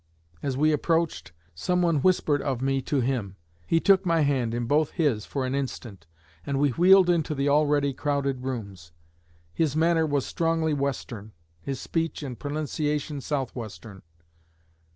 As we approached, someone whispered of me to him; he took my hand in both his for an instant, and we wheeled into the already crowded rooms. His manner was strongly Western; his speech and pronunciation Southwestern.